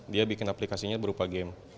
dia bikin aplikasinya berupa game